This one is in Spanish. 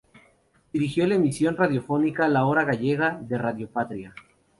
Dirigió la emisión radiofónica La Hora Gallega, de Radio Patria.